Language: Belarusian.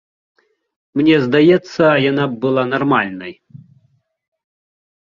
Мне здаецца, яна б была нармальнай.